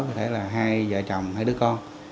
có thể là hai vợ chồng hai đứa con